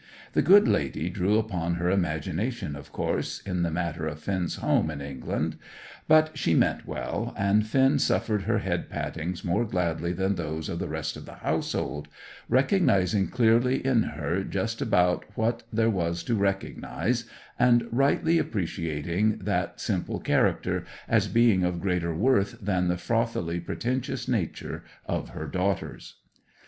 The good lady drew upon her imagination, of course, in the matter of Finn's home in England. But she meant well, and Finn suffered her head pattings more gladly than those of the rest of the household, recognizing clearly in her just about what there was to recognize, and rightly appreciating that simple character, as being of greater worth than the frothily pretentious nature of her daughters.